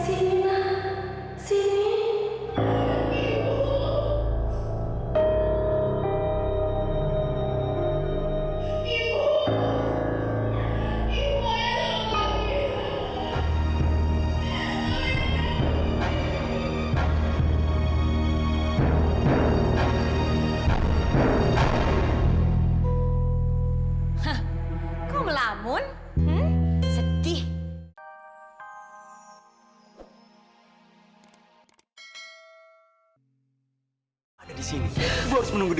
ibu aja mau pergi